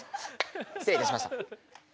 失礼いたしました。